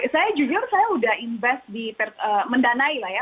saya jujur saya sudah invest di mendanai lah ya